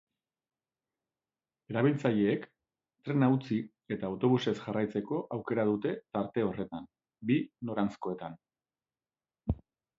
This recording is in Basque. Erabiltzaileek trena utzi eta autobusez jarraitzeko aukera dute tarte horretan, bi noranzkoetan.